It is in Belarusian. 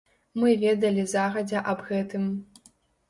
Мы ведалі загадзя аб гэтым.